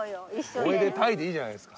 おめでたいでいいじゃないですか。